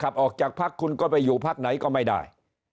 ขับออกจากภักดิ์คุณก็ไปอยู่ภักดิ์ไหนก็ไม่ได้